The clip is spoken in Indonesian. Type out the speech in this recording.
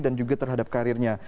dan juga terhadap karirnya